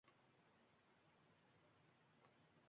Yoki o‘rganib turib?